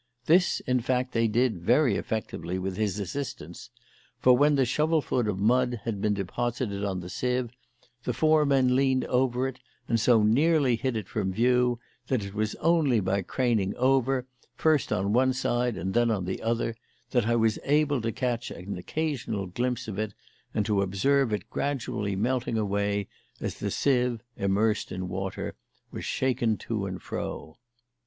This, in fact, they did very effectively with his assistance, for, when the shovelful of mud had been deposited on the sieve, the four men leaned over it and so nearly hid it from view that it was only by craning over, first on one side and then on the other, that I was able to catch an occasional glimpse of it and to observe it gradually melting away as the sieve, immersed in the water, was shaken to and fro.